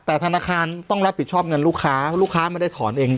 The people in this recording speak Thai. แต่ธนาคารต้องรับผิดชอบเงินลูกค้าลูกค้าไม่ได้ถอนเอง